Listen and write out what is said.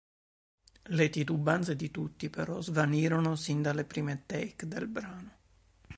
Le titubanze di tutti però, svanirono sin dalle prime take del brano.